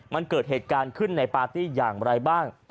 มันเกิดเหตุการณ์ขึ้นในปาร์ตี้อย่างไรบ้าง